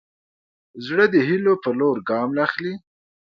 زړه د هيلو په لور ګام اخلي.